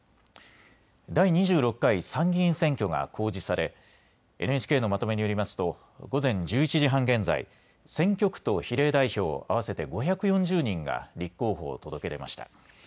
第２６回参議院選挙が公示されＮＨＫのまとめによりますと午前１１時半現在、選挙区と比例代表、合わせて５４０人が立候補を届け出ました。